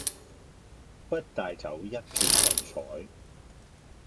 不帶走一片雲彩